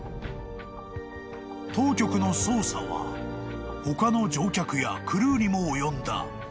［当局の捜査は他の乗客やクルーにも及んだ］